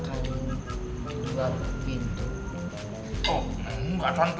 cuma kontrakan dua pintu